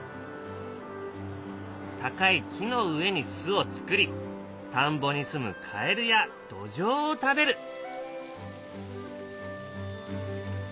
高い木の上に巣を作り田んぼにすむカエルやドジョウを食べる。